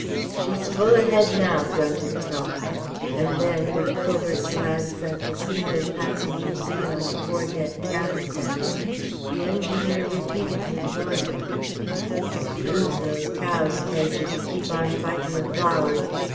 "She's full ahead now!" grunted Crump. And then, with a covert glance at the single passenger sitting on the fore deck cattle pens, the engineman repeated his warning, "Yeh'll lose the cows, Tedge, if you keep on fightin' the flowers.